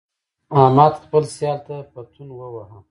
احمد خپل سیال ته پتون وواهه.